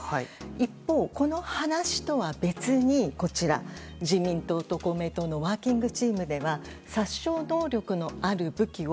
一方、この話とは別に自民党と公明党のワーキングチームでは殺傷能力のある武器を